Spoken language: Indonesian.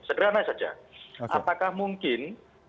segera saja apakah mungkin